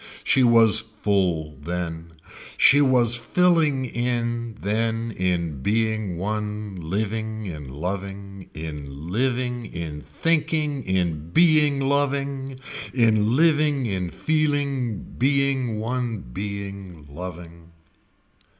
She was full then, she was filling in then in being one living in loving, in living in thinking in being loving, in living in feeling being one being loving.